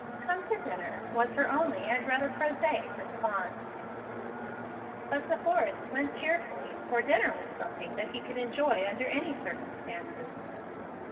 "Come to dinner," was her only and rather prosaic response. But De Forrest went cheerfully, for dinner was something that he could enjoy under any circumstances.